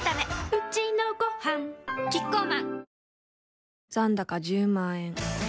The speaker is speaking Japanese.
うちのごはんキッコーマン